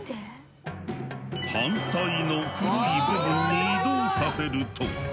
反対の黒い部分に移動させると。